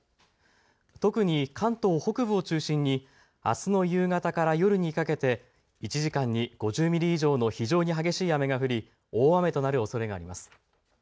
特に関東北部を中心にあすの夕方から夜にかけて１時間に５０ミリ以上の非常に激しい雨が降り大雨となるおそれがあります。